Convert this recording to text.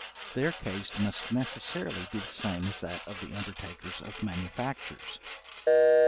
Their case must necessarily be the same as that of the undertakers of manufactures.